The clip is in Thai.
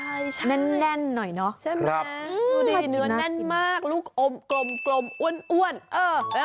คนอะไรอยากเป็น